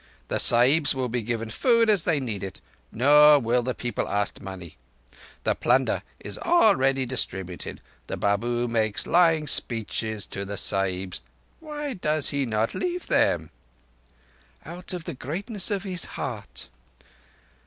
The Sahibs will be given food as they need it—nor will the people ask money. The plunder is already distributed. The Babu makes lying speeches to the Sahibs. Why does he not leave them?" "Out of the greatness of his heart."